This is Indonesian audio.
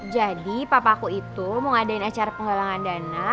jadi papaku itu mau ngadain acara penggalangan dana